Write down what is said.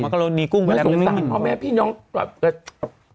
ก็สั่งมะโกโรนดีกุ้งไปแล้วไม่สั่ง